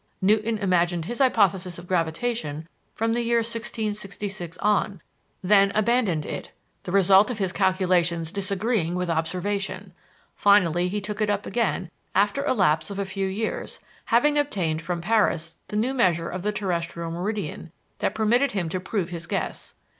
Newton imagined his hypothesis of gravitation from the year 1666 on, then abandoned it, the result of his calculations disagreeing with observation; finally he took it up again after a lapse of a few years, having obtained from Paris the new measure of the terrestrial meridian that permitted him to prove his guess.